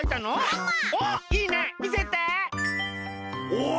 お！